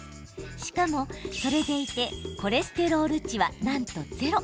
しかも、それでいてコレステロール値は、なんとゼロ。